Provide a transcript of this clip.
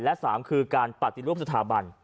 และสามคือการปฏิรวบสถาบัน